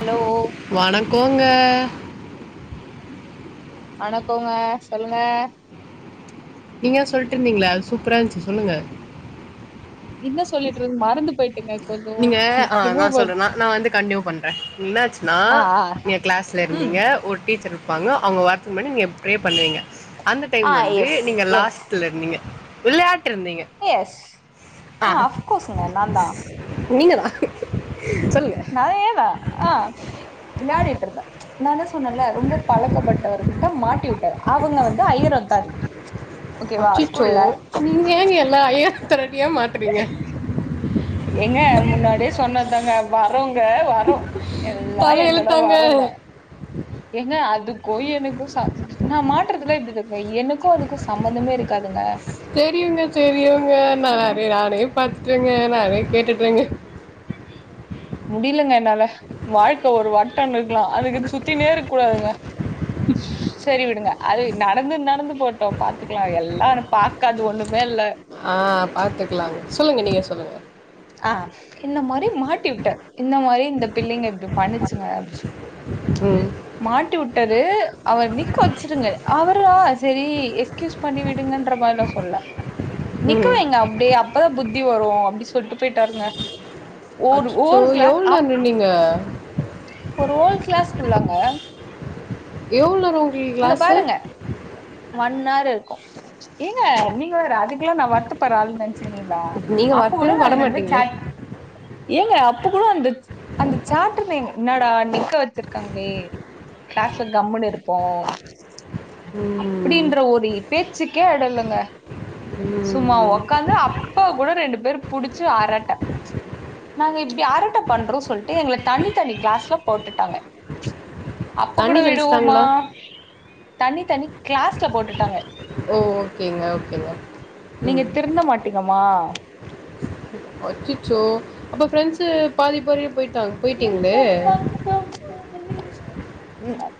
Allow வணக்கோங்க வணக்கோங்க சொல்லுங்க நீங்கதா சொல்ட்டு இருந்தீங்களே அது சூப்பரா இருஞ்ச்சு சொல்லுங்க என்ன சொல்லிட்டு இருந்து மறந்து போயிட்டுங்க கொஞ்சோ நீங்க ஆஹ் நா ரிமம்பர் சொல்றேனா நான் வந்து கண்டினியூ பண்ணுறே என்னாச்சுனா ஆ ஆ நீங்க கிளாஸ்ல ம் இருந்தீங்க ஒரு டீச்சர் இரு பாங்க அவுங்க வர்றதுக்கு முன்னாடி நீங்க எப் பிரே பண்ணுவீங்க அந்த டைம் ஆ வந்து எஸ் நீங்க எஸ் லாஸ்ட்ல இருந்தீங்க வெளையாடிட்டு இருந்தீங்க எஸ் ஆ அஃப்கோர்ஸுங்க நா தா நீங்க தா சொல்லுங்க அதே தா ஆஹ் விளையாடிட்ருந்தே நா தா சொன்னேன்ல ரொம்ப பழக்கப்பட்டவர்கிட்ட மாட்டி விட்டாரு அவுங்க வந்து ஐயர் அத்தாரரிட்டி அச்சிச்சோ நீங்க ஏங்க எல்லா ஐயரத்தாரிட்டியா மாட்டுறீங்க எங்க முன்னாடியே சொன்னதுதாங்க வரோங்க வரோ எல்லா‌ என்னோட தலையெழுத்தாங்க. வரந்தா ஏங்க அதுக்கோ எனக்கு சம் நா மாட்டுறதுலா இப்டி தா‌ இருக்கு எனக்கு அதுக்கு சம்பந்தமே இருக்காதுங்க தெரியுங்க தெரியுங்க நா நெறை நானே பாத்துட்டேங்க நானே கேட்டுட்டேங்க முடிலங்க என்னால வாழ்க்க ஒரு வட்டனுருக்கலா அதுக்கு சுத்தினேருக்கூடாதுங்க [inaudible] செரி விடுங்க அது நடந்தது நடந்து போட்டோ பாத்துக்கலா எல்லா அனு பாக்காது ஒண்ணுமே இல்ல ஆ பாத்துக்கலாங்க சொல்லுங்க நீங்க சொல்லுங்க ஆஹ் இந்த மாரி மாட்டிவுட்டே இந்த மாரி இந்த பிள்ளைங்க இப்டி பண்ணிச்சுங்க அப்டி சொல்ட்டு ம் மாட்டிவுட்டது அவர் நிக்க வச்சிருங்க அவரா செரி எஸ் க்யூஸ் பண்ணி விடுங்கன்ற மாரிலா சொல்ல ம். நிக்கவைங்க அப்டியே அப்பதா புத்தி வரு அப்படி சொல்ட்டு போயிட்டாருங்க ஓரு அச்சச்சோ! ஓரு கிளாஸ் எவ்ளோ அப் நேரம் நீங்க ஒரு ஹோல்கிளாஸ் ஃபுல்லாங்க எவ்ளோ நேரோ உங்கி இங்க பாருங்க ஒன்னார் இருக்கு ஏங்க நீங்க வேற அதுக்கெல்லா நா வர்த்தப்பட்ற ஆள் நெனச்சு ச்சீனீங்களா நீங்க அப்ப வரவே கூட நாங்க ரெண்டு பேர் வரமாட்டீங்களே. ச்சாட் ஏங்க அப்ப கூட அந்த ச்ச் அந்த சாட்ட என்னடா நிக்க வச்சிருக்காங்களே கிளாஸ்ல கம்முனு இருப் போ ம். அப்படின்ற ஒரு இ பேச்சுக்கே எடல்லங்க சும்மா ம். ஒக்காந்து அப்ப கூட ரெண்டு பேரு புடிச்சு அரட்ட நாங்க இப்டி அரட்ட பண்றோ சொல்ட்டு எங்கள தனி தனி கிளாஸ்ல போட்டுட்டாங்க அப்ப கூட தண்ணி விடுவோமா தெளிச்சுட்டாங்களா? தனி தனி கிளாஸ்ல போட்டுட்டாங்க ஓ ஓகேங்க ஓகேங்க நீங்க ம் திருந்த மாட்டீங்கம்மா அச்சிச்சோ அப்ப ஃப்ரெண்ட்ஸு பாதிப்பாதி போயிட்டாங் போய்ட்டிங்களே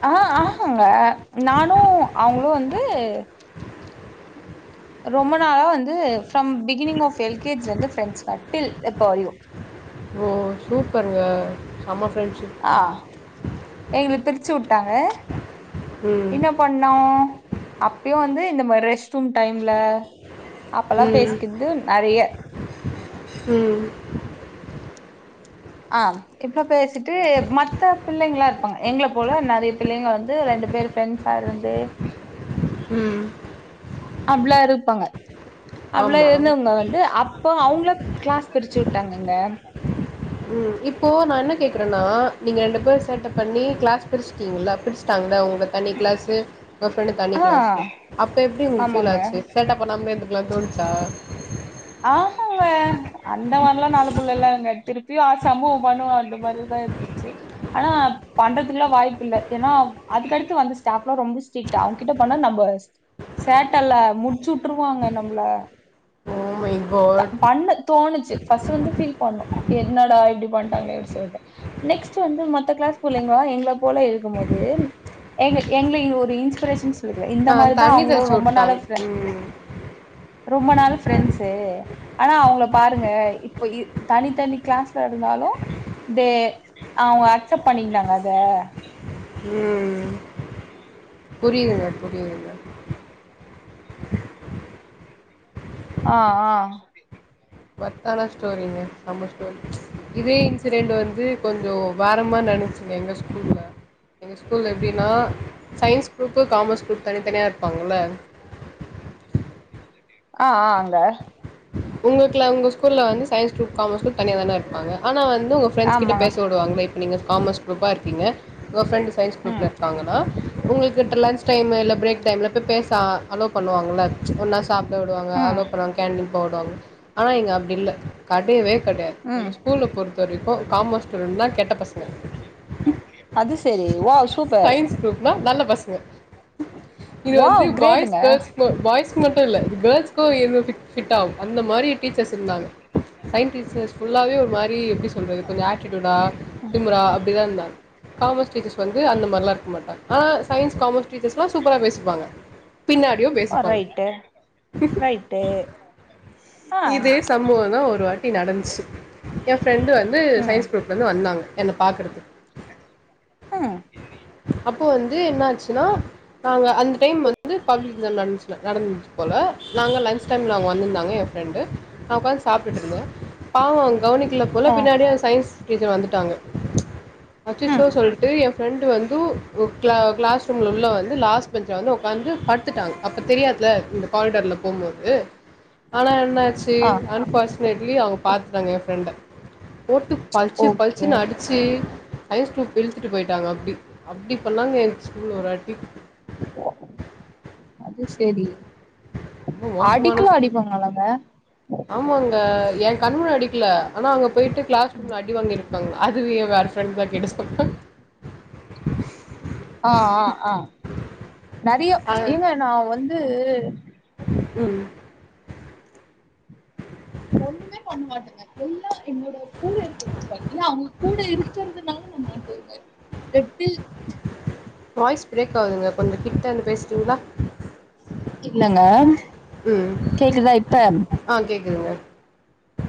ஆ ஆஹங்க நானு அவ்ங்களு வந்து ரொம்ப நாளா வந்து from beginning of L K ஜில இருந்து ஃப்ரெண்ட்ஸ் அட்டில் இப்போரையும் ஓ சூப்பருங்க செம்ம ஃப்ரெண்ட்ஷிப் ஆ எங்கள பிருச்சு வுட்டாங்க ம். இன்னப் பண்ணோ அப்பயு வந்து இந்த மாரி ரெஸ்ட் தும் டைம்ல அப்பல்லா ம். பேசிக்கிற்து நறைய ம் ஆம் இப்போ பேசிட்டு மத்த பிள்ளைங்களாருப்பாங்க எங்கள போல நறைய பிள்ளைங்க வந்து ரெண்டு பேர் ஃரெண்ட்ஸ் சார் வந்து ம் அப்லா இருப்பாங்க அப்லா ஆமா. இருந்தவங்க வந்து அ‌பா இப்போ அவுங்கள கிளாஸ் பிரிச்சு வுட்டாங்கங்க ம் இப்போ நா என்ன கேட்குறன்னா நீங்க ரெண்டு பேர் சேட்டப் பண்ணி க்ளாஸ் பிரிஸ்ட்டிங்கள பிரிஸ்ட்டாங்கள உங் தனி கிளாஸு உங்க ஃப்ரெண்டு தனி ஆ கிளாஸு அப்ப எப்டி உங்ளுக்கு ஃபில் ஆமாங்க ஆச்சி சேட்டப் பண்ணாமலே இருந்துர்க்கலான் தோனுச்சா ஆஹங்க அந்த மாரிலா நல்ல புள்ளலா இல்ல திருப்பியு ஆ சம்பவோ பண்ணுவோ அந்த மாரிதா இருந்துச்சி ஆனா பண்றதுக்ல்லா வாய்ப்பு இல்ல ஏன்னா அதுக்கடுத்து வந்து ஸ்டாஃப்லா ரொம்ப ஸ் டிரிட் அவ்ங்கிட்ட பண்ணா நம்ப சேட்டல்லா முட்ச்சுவுட்டுருவாங்க நம்ப்ள [unintelligible] பண்ண தோணுச்சி ஃபஸ்ட் வந்து ஃபீல் பண்ணோ என்னடா இப்டி பண்டாங்ளே எப்ட் சொல்ட்டு நெக்ஸ்ட் வந்து மத்த கிளாஸ் புள்ளைங்க எங்கள போல இருக்கும் போது ஏங்க எங்ள ஒரு இன்ஸ்பிரேஷன் சொல்லிக்குவே இந்த ஆ மாரிதா தண்ணி தெளிச்சு அவுங்களும் ரொம்ப நாளா வுட்டாங்க ப்ரெண் ம் ரொம்ப நாள் ஃப்ரெண்ட்ஸ் தே ஆனா அவங்கள பாருங்க இப்ப இ தனி தனி க்ளாஸ்லருந்தாலு தே அவுங்க அக்சப்ட் பண்ணிக்கிட்டாங்க அத ம் புரியுதுங்க புரியுதுங்க ஆ ஆ ஒர்த்தான ஸ்டோரிங்க செம்ம ஸ்டோரி இதே இன்சிடென்ட் வந்து கொஞ்சோ வாரமா நடந்ச்சுங்க எங்க ஸ்கூல்ல எங்க ஸ்கூல்ல எப்டின்னா சயின்ஸ் குரூப் காமர்ஸ் குரூப் தனித்தனியாக இருப்பாங்கள்ள ஆ ஆ அங்க உங்கக்ளா உங்க ஸ்கூல்ல வந்து சயின்ஸ் க்ரூப் காமர்ஸ் க்ரூப் தனியாதான இருப்பாங்க ஆனா வந்து உ ங்க ஃப்ரண்ட்ஸ் கிட்ட ஆமா பேச விடுவாங்கள நீங்க காமர்ஸ் குரூப்பா இருக்கீங்க உங்க ஃப்ரெண்டு் சயின்ஸ் குரூப்ல ம் இருக்காங்கன்னா உங்கள்கிட்ட லன்ச் டைம் இல்ல ப்ரேக் டைம்ல போய் பேச அலோ பண்ணுவாங்கள்ள ஒன்னா சாப்ட விடுவாங்க ம் அளோ பண்ணுவாங்க கேண்டின் போ விடுவாங்க ஆனா இங்க அப்டில்ல கடையவே கடையாது எங்க ம் ஸ்கூல்ல பொறுத்த வரைக்கு காமர்ஸ் க்ரூப் தா கெட்ட பசங்க அது செரி ஓ சூப்பர் நா நல்ல பசங்க இது வந்து வாவ் பாய்ஸ் கிரேட்டுங்க கேர்ள்ஸ் பாய்ஸ் து மட்டு இல்ல கேர்ள்ஸ்க்கு இது ஃபிட் ஃபிட்டாகு அந்த மாரி டீச்சர்ஸ் இருந்தாங்க டைம் டீச்சர்ஸ் ஃபுல்லாவே ஒரு மாரி எப்டி சொல்றது கொஞ்சோ ஆட்டிட்யூடா திமுரா அப்படிதாருந்தாங்க காமர்ஸ் டீச்சர்ஸ் வந்து அந்த மாரில்லா இருக்க மாட்டாங்க ஆ சயின்ஸ் காமர்ஸ் டீச்சர்ஸ்லா சூப்பரா பேசிப்பாங்க பின்னாடியு பேசிப்பாங்க டே இதே சம்பவந்தாஒரு வாட்டி நடந்ச்சு என் ஃப்ரெண்டு வந்து ம் சயின்ஸ் க்ரூப் ந்து வந்தாங்க என்ன பாக்குறதுக்கு ம் அப் ப்போ வந்து என்ன ஆச்சுன்னா நாங்க அந்த டைம் வந்து ஃபங்ஷன் நடந்த்ச்ல நடந்துமுடிஞ்ச்சு போல நாங்க லஞ்ச் டைம்ல அவுங்க வந்ருந்தாங்க ஃப்ரெண்டு நா உக்காந்து சாப்ட்டுட்ருந்தே பாவோ அவ கவனிக்கல போல ஆ பின்னாடி அவ சயின்ஸ் டீச்சர் வந்துட்டாங்க அச்சச்சோ ம் சொல்லிட்டு எ ஃப்ரெண்டு வந்து ஒ க்ளா க்ளாஸ் ரூம்ல உள்ள வந்து லாஸ்ட் பெஞ்ச்ல வந்து உக்காந்து படுத்துட்டாங்க அப்ப தெரியாதுல இந்த ஹாரிடர்ல போம்போது ஆனா என்ன ஆச்சு ஆ அன்பார்ச்சுனேட்லி அவுங்க பாத்துட்டாங்க எ ஃப்ரெண்ட போட்டு பளிச்சு ஓகே பளிச்சுனு அடி ச்சி சயின்ஸ் குரூப் இழுத்துட்டு போய்ட்டாங்க அப்டி அப்டி பண்ணாங்க எ ஸ்கூல்ல ஒரு வாட்டி அது சேரி ரொம்ப மோசமான அடிக்கலா ஸ்கூல். அடிப்பாங்களாங்க ஆமாங்க எ கண்முன்ன அடிக்கல ஆனா அங்க போயிட்டு க்ளாஸ் ரூம்ல அடி வாங்கியிருக்காங்க அதுவு எ வேற ஃப்ரண்ட் தா கேட்டு சொன்னா ஆ ஆ ஆ நெறைய அ ஏங்க நா வந்து ம் ஒண்ணுமே பண்ண மாட்டங்க எல்லா என்னோட கூட இருக்கிறவங்க பண்ணி அவுங்க கூட இருக்கிறதுனால நா மாட்டுவங்க த டில் வாய்ஸ் ப்ரேக் ஆவுதுங்க கொஞ்சோ கிட்ட வந்து பேசுறீங்ளா இல்லங்க கேக்குதா இப்ப ஆ கேக்குதுங்க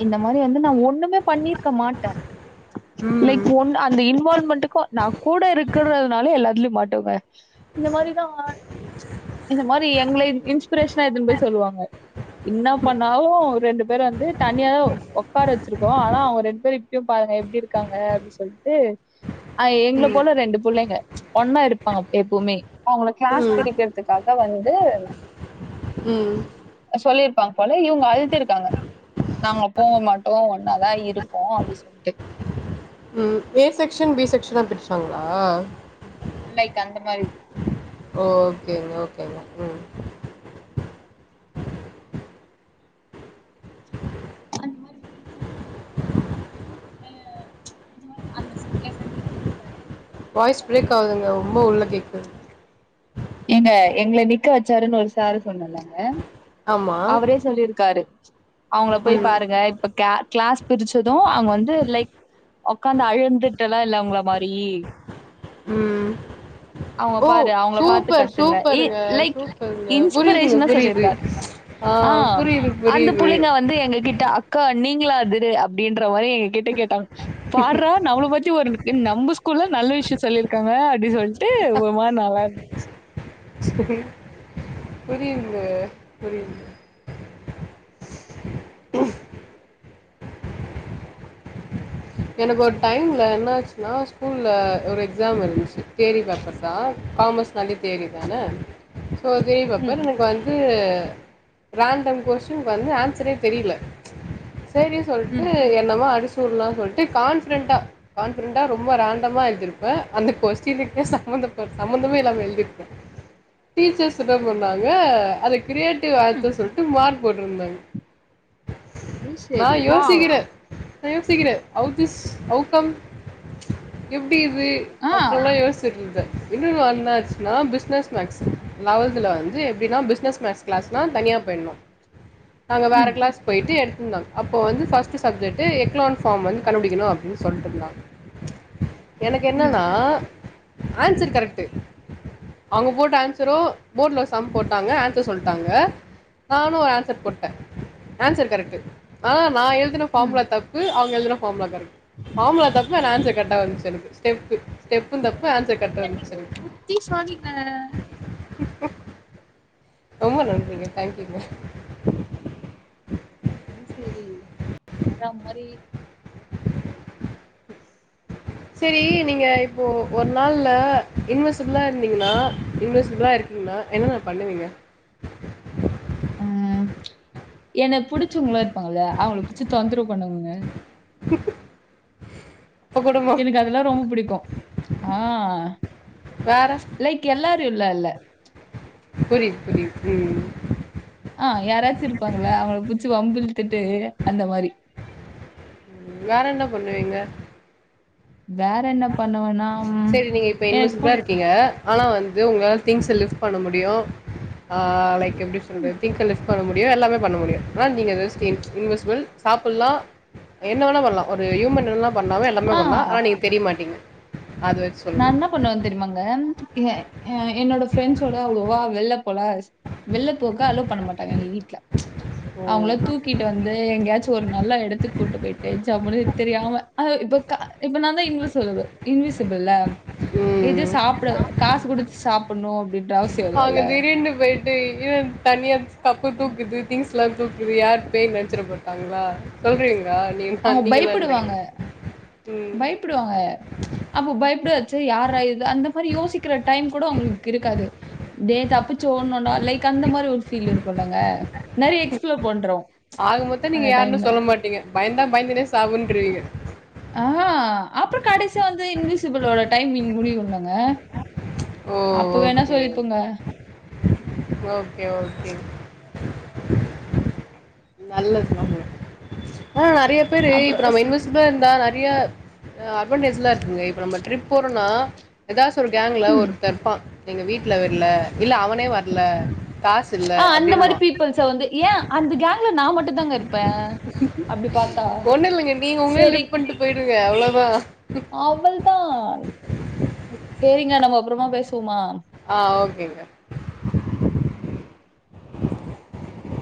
இந்த மாரி வந்து நா ஒண்ணுமே பண்ணிருக்க மாட்ட லைக் ம் ஒன் அந்த இன்வால்வ்மென்ட்க்கு நா கூட இருக்குறதுனால எல்லாத்துலயு மாட்டுவே இந்த மாரிதா இந்த மாரி எங்கள இன்ஸ்பிரேஷனா எதுன்னு போய் சொல்லுவாங்க இன்னா பண்ணாவு ரெண்டு பேர வந்து தனியாதா ஒ ஒக்கார வச்சிருக்கோ ஆனா அவுங்க ரெண்டு பேரு இப்பயு பாருங்க எப்டி இருக்காங்க அப்டின்னு சொல்லிட்டு அ எங்கள ம் போல ரெண்டு புள்ளைங்க ஒண்ணா இருப்பாங்க எப்பவுமே அவுங்கள க்ளாஸ் பிரிக்கிறதுக்காக வந்து ம் சொல்லியிருப்பாங்க போல இவுங்க அழுதிருக்காங்க நாங்க போக மாட்டோ ஒன்னா தா இருப்போ அப்டி சொல்லிட்டு ம், ஏ செக்ஸன் பி செக்ஸனா பிரிச்சாங்களா லைக் அந்த மாரி ஓகே ஓகேங்க ம் அந்த மாரி பிரிச்சது அ இந்த மாரி அந்த சா எங்கள நிக்க வச்சிட்டாரு வாய்ஸ் பிரேக் ஆவுதுங்க ரொம்ப உள்ள கேக்குது ஏங்க எங்கள நிக்க வச்சாருன்னு ஒரு சாரு சொன்னல்லங்க ஆமா அவரே சொல்லிருக்காரு அவுங்கள போய் ம் பாருங்க இப்ப க் க்ளாஸ் பிரிச்சது அவுங்க வந்து ஒரு லைக் ஒக்காந்து அழுந்துட்டுலா இல்ல உங்கள மாரி ம் அவுங்க ஓ பாரு அவுங்கள பாத் து சூப்பர் கத்துங்க இ சூப்பருங்க லைக் சூப்பருங்க புரியுதுங்க இன்ஸ்பிரேஷனா புரியுது சொல்லிருக்காரு ஆ புரியுது அந்த புரியுது புள்ளைங்க வந்து எங்க கிட்ட அ க்கா நீங்களா அது அப்டின்ற மாரி எங்க கிட்ட கேட்டாங்க பார்றா நம்மள பத்தி ஒரு நம்ம ஸ்கூல்ல நல்ல விஷயம் சொல்லிருக்காங்க அப்டி சொல்ட்டு ஒரு மாரி நல்லா இருந் ச்சி சேரி புரியுதுங்க புரியுது ம் எனக்கு ஒரு டைம்ல என்ன ஆச்சுனா ஸ்கூல்ல ஒரு எக்ஸாம் இருந்துச்சு தியரி பேப்பர் தா காமர்ஸ் தனி தியரி தான சோ தியரி ம் பேப்பர் எனக்கு வந்து து ரேண்டம் கொஸ்டீன் வந்து ஆன்சரே தெரியில சேரின் சொல்ட்டு என்னமோ அடிச்சி வுட்லா சொல்ட்டு கான் ஃபிடெண்ட்டா கான் ஃபிடெண்ட்டா ரொம்ப ரேண்டமா எழுதிருப்பே அந்த கொஸ்டினுக்கே சம்மந்த ப சம்மந்தமே இல்லாம எழுதிரு டீச்சர்ஸ் என்னா பண்ணாங்க அத கிரியேட் டிவ் வார்த்த சொல்ட்டு மார்க் போட்ருந்தாங்க அது நா சரி வாவ் யோசிகிற நா யோசிக்கிற ஹவ் திஸ் ஹவ் கம் எப்டி இது ஆ அப்பல்லா யோசிட்ருந்த இன்னொரு நாள் என்னாச்சுனா பிஸ்னஸ் மேக்ஸ் லெவல்துல வந்து எப்டினா பிஸ்னஸ் மேக்ஸ் கிளாஸ்னா தனியா போய்னு நாங்க வேற ம் கிளாஸ் போயிட்டு எடுத்திருந்தாங் அப்போ வந்து ஃபஸ்ட் சப்ஜெக்டு எக் க்ளோன் ஃபாம் வந்து கண்டுபுடிக்கனு அப்டின் சொல்ட்ருந்தாங்க எனக்கு ம் என்னன்னா ஆன்சர் கரெக்ட்டு அவுங்க போட்ட ஆன்சரு போர்ட்ல ஒரு சம் போட்டாங்க ஆன்சர் சொல்ட்டாங்க நானு ஒரு ஆன்சர் போட்ட ஆன்சர் கரெக்ட்டு ஆனா நா எழ் துன ஃபாமுலா தப்பு அவுங்க எழுதுன ஃபாமுலா கரெக்ட்டு ஃபாமுலா தப்பு ஆனா ஆன்ஸர் கரெக்ட்டா வந்ச்சி எனக்கு ஸ்டெப்பு ஸ்டெப்பு தப்பு ஆன்சர் கரெக்ட்டா வந்துருச்சு எனக்கு அது ரொம்ப நன்றிங்க தேங்க்யூங்க அது செரி வேற மாரி சேரி நீங்க இப்போ ஒரு நாள்ல இன்வெசிபிளா இருந்தீங்கனா இன்வெசிபிளா இரு ந்தீங்னா என்னென்ன பண்ணுவீங்க ஆ எனக் புடிச்சவுங்ளா இருப்பாங்கள்லையா அவுங்கள புடிச்சு தொந்தரவு பண்ணுவங்க அப்போ கூடமா எனக்கு அதெல்லா ரொம்ப புடிக்கு ஆ வேற லைக் எல்லாரையுல்லா இல்ல புரிது புரிது ம் ஆ யாராச்சு இருப்பாங்கள்ள அவுங்கள புச்சி வம்பிழ்த்திட்டு அந்த மாரி ம் வேற என்ன பண்ணுவீங்க வேற என்ன பண்ணுவன்னா சரி நீங்க இப்ப எனக்கு இன்விசிபிளா புடி இருக்கீங்க. ஆனா வந்து உங்களால திங்க்ஸ் லிஃப்ட் பண்ண முடியு ஆ லைக் எப்டி சொல்றது திங்க லிஃப் பண்ண முடியு எல்லாமே பண்ண முடியு ஆனா நீங்க ரெஸ்ட் இன் இன்விஸ்பிள் சாப்புல்லா என்ன வேனா பண்லா ஒரு யூமன் என்னலா பண்ணாலு எல்லாமே பண்ணலா ஆ ஆனா நீங்க தெரிய மாட்டீங்க அது நா சொல்லணும். என்ன பண்வே தெரியுமாங்க எ அ என்னோட ஃப்ரெண்ஸோட அவ்ளோவா வெள்ல போலா வெள்ள போகா அலோ பண்ண மாட்டாங்க எங்க வீட்ல ஓ! அவுங்கள தூக் கிட்டு வந்து எங்கயாச்சு ஒரு நல்லா எடத்துக் கூட்டு போயிட்டு ஜம்முனு தெரியாம ஆ இப்போ கா இப்ப நாந்தா இன்வ செலவு இன்விஸிப் ல்ல எது ம். சாப்ட காசு குடுத்து சாப்புட்னு அப்டின்ற அவஸ் அங்க திடீர்னு போயிட்டு ஈவன் தனியா கப்பு தூக்குற்து திங்ஸ்லா தூக்குரியா பேய்ன் நெனச்சிற மாட்டாங்ளா சொல்றீங்ளா நீ அவுங்க பய்ப்படுவாங்க ம். பய்ப்புடுவாங்க அப்ப பய்ப்புட்றச்சே யார்ரா இது அந்த மாரி யோசிக்கிற டைம் கூட அவுங்களுக் இருக்காது டே தப்பிச்சி ஓனு டா லைக் அந்த மாரி ஒரு ஃபீல் இருக்குல்லங்க நெறைய எக்ஸ்ப்ளோர் பண்றோ ஆக மொத்தோ நீங்க அந்த யார்னு டைம்ல. சொல்ல மாட்டீங்க பயந்தா பயந்துனே சாவுண்டுருவிங்க ஆ அப்ற கடசியா வந்து இன்விசிபிளோட டைமிங் முடியுல்லங்க ஓ ஓகே ஓகே ஓகே நல்ல [inaudible] ஆ நெறைய பேரு இப்ப அப்புறம் நம்ம ச இன்விஸிபிளா இருந்தா நெறைய அ அட்வான்டேஜ்லா இருக்குங்க இப்ப நம்ம ட்ரிப் போறனா ஏதாச்சி ஒரு கேங்ல ம். ஒருத்தருப்பா எங்க வீட்ல விட்ல இல்ல அவனே வர்ல காசு இல்ல ஆ அந்த மாரி அப்டின்னுவா பீபுள்ஸ வந்து ஏ அந்த கேங்ல நா மட்டு தாங்க இருப் ஒண்ணு இல்லங்க நீங்க உங்ளே சரி. லிப்ட் பண்ட்டு போய்டுங்க அவ்ளோதா அவள்தான் சேரிங்க நம்ம அப்புறமா பேசுவமா ஆ ஓகேங்க